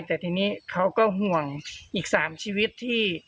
แต่ทีนี้เขาก็ห่วงอีก๓ชีวิตที่